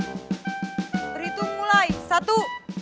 berhitung mulai satu